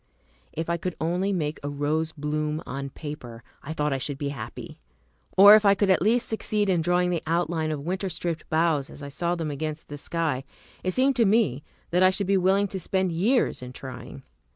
If I could only make a rose bloom on paper, I thought I should be happy! or if I could at last succeed in drawing the outline of winter stripped boughs as I saw them against the sky, it seemed to me that I should be willing to spend years in trying.